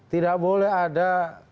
tidak boleh ada